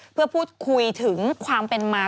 เพื่อพูดคุยถึงความเป็นมา